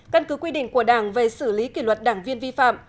căn cứ quy định của đảng về xử lý kỷ luật đảng viên vi phạm